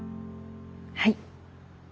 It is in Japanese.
はい。